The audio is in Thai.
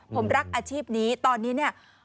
ผมรักอาชีพนี้ตอนนี้เนี่ย